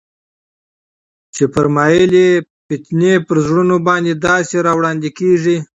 چي فرمايل ئې: فتنې پر زړونو باندي داسي راوړاندي كېږي